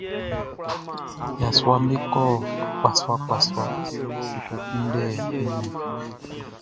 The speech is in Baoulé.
Yasuaʼm be kɔ akpasuaakpasua be ko kunndɛ nnɛn.